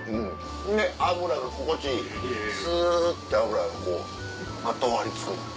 で脂が心地いいスって脂がこうまとわりつくのよ。